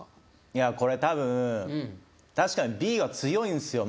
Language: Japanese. いやこれ多分確かにＢは強いんですよ